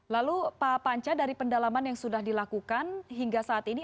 lalu pak panca dari pendalaman yang sudah dilakukan hingga saat ini